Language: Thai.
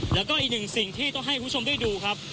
แล้วก็อีกหนึ่งสิ่งที่ต้องให้คุณผู้ชมได้ดูครับ